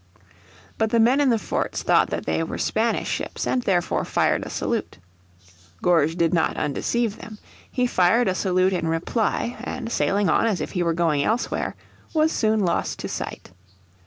But the men in the forts thought that they were Spanish ships and therefore fired a salute. Gourges did not undeceive them. He fired a salute in reply and, sailing on as if he were going elsewhere, was soon lost to sight.